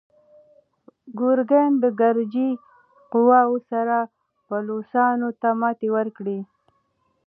ګورګین د ګرجي قواوو سره بلوڅانو ته ماتې ورکړه.